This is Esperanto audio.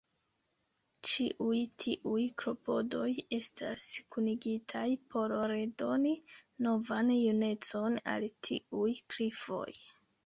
Ĉiuj tiuj klopodoj estas kunigitaj por redoni novan junecon al tiuj klifoj.